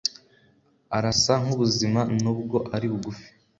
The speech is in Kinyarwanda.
arasa nkubuzima, nubwo ari bugufi